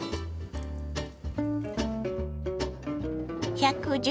１１０